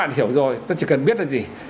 chúng ta chỉ cần biết là gì